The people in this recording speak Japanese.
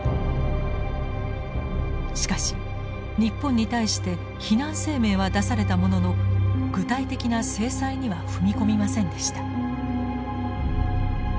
しかし日本に対して非難声明は出されたものの具体的な制裁には踏み込みませんでした。